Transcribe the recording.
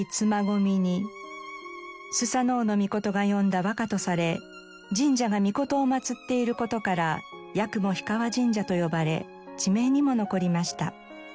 素戔嗚尊が詠んだ和歌とされ神社が尊を祀っている事から八雲氷川神社と呼ばれ地名にも残りました。